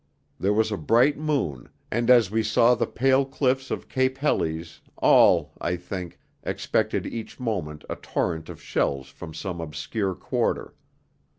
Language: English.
There was a bright moon, and as we saw the pale cliffs of Cape Helles, all, I think, expected each moment a torrent of shells from some obscure quarter.